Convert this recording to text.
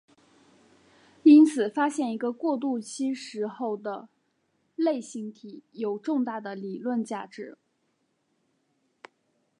因此发现一个过渡期时候的类星体有重大的理论价值。